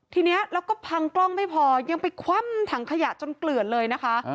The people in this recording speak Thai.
ทีนี้แล้วก็พังกล้องไม่พอยังไปคว่ำถังขยะจนเกลือดเลยนะคะ